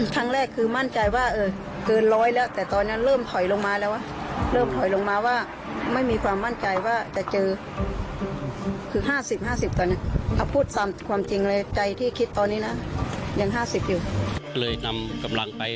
ทางแรกคือมั่นใจว่าเกินร้อยแล้วแต่ตอนนั้นเริ่มถอยลงมาแล้วเริ่มถอยลงมาว่าไม่มีความมั่นใจว่าจะจัดการทางแรก